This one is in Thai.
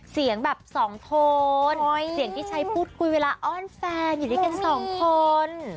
เสียงที่ชัยพูดคุยเวลาอ้อนแฟนอยู่ด้วยกันสองคน